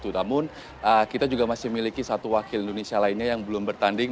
namun kita juga masih memiliki satu wakil indonesia lainnya yang belum bertanding